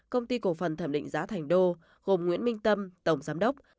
công ty cổ phần thẩm định giá thành đô gồm nguyễn minh tâm tổng giám đốc